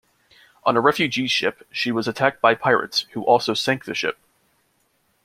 On a refugee ship, she was attacked by pirates, who also sank the ship.